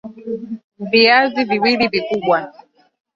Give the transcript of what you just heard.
Viazi mbili vikubwa